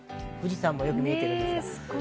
富士山もよく見えています。